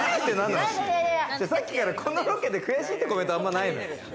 さっきからこのロケで悔しいってコメントあんまないのよ。